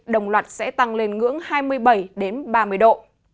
đồng loạt sẽ tăng lên ngưỡng hai mươi bảy ba mươi độ